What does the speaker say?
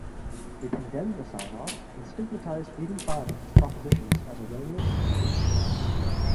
They condemned the synod and stigmatized eighty-five of its propositions as erroneous and dangerous.